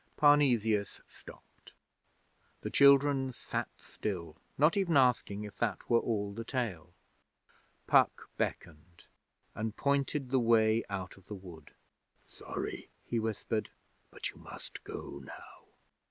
Parnesius stopped. The children sat still, not even asking if that were all the tale. Puck beckoned, and pointed the way out of the wood. 'Sorry,' he whispered, 'but you must go now.'